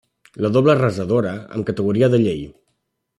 La doble rasadora, amb categoria de llei.